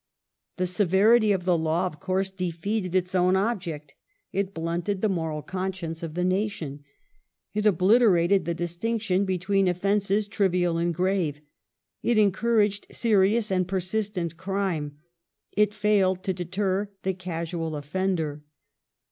The severity of the law of course defeated its own object. It blunted the moral conscience of the nation ; it obliterated the distinction between offences trivial and grave ; it encouraged serious and per sistent crime; it failed to deter the casual offender.